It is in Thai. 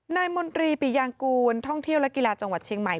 มนตรีปิยางกูลท่องเที่ยวและกีฬาจังหวัดเชียงใหม่